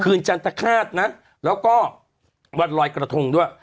ภึกหยั่งตะขาดนะแล้วก็วัดลอยกรทงด้วย